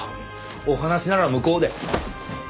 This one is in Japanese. お話なら向こうで。